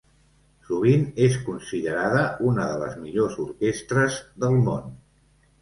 Sovint és considerada una de les millors orquestres del món.